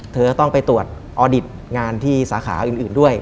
เธอจะต้องไปตรวจออดิตงานที่สาขาอื่นด้วย